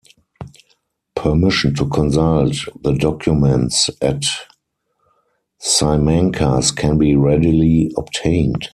Permission to consult the documents at Simancas can be readily obtained.